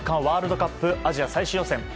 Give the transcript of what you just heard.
ワールドカップアジア最終予選。